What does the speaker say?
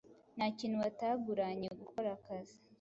nta kintu bataguranye gukora akazi